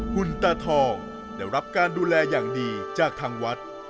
คุณตาทองได้รับการดูแลอย่างดีจากทางวัด